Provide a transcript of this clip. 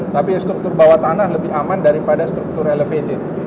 tapi struktur bawah tanah lebih aman daripada struktur elevated